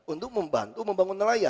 untuk membantu membangun nelayan